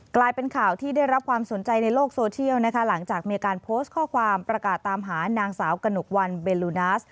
กลายเป็นข่าวที่ได้รับความสนใจในโลกโซเชียลนะคะหลังจากมีการโพสต์ข้อความประกาศตามหานางสาวกระหนกวันเบลูนาส